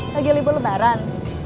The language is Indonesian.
lagi libur lebaran